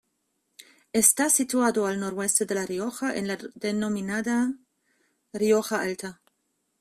Está situado al noroeste de La Rioja, en la denominada Rioja Alta.